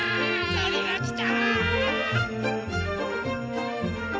そりがきた！